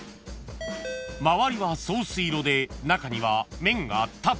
［周りはソース色で中には麺がたっぷり］